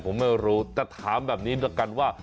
ผมไม่รู้แต่ถามแบบนี้แล้วกันว่า